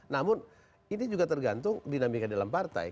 namun ini juga tergantung dinamika dalam partai